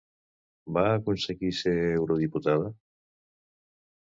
Va aconseguir ser eurodiputada?